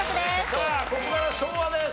さあここから昭和です。